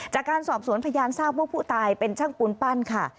จากการสอบสวนพยานทราบว่าผู้ตายเป็นช่างปูนปั้นค่ะ